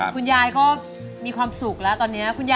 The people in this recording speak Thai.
คุณยายมีความสุขแล้วตอนนี้